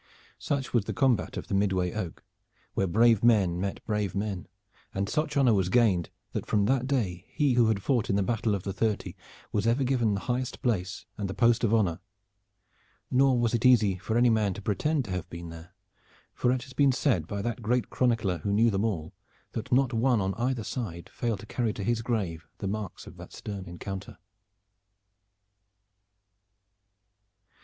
Such was the combat of the Midway Oak, where brave men met brave men, and such honor was gained that from that day he who had fought in the Battle of the Thirty was ever given the highest place and the post of honor, nor was it easy for any man to pretend to have been there, for it has been said by that great chronicler who knew them all, that not one on either side failed to carry to his grave the marks of that stern encounter.